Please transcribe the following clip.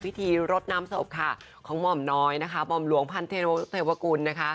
พิธีรดน้ำศพของหม่อมน้อยหม่อมหลวงพันธุ์เทวคุณ